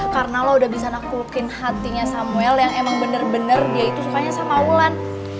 karena lo udah bisa nakulukin hatinya samuel yang emang bener bener dia itu sukanya sama wulan